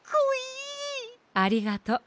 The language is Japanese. ありがとう。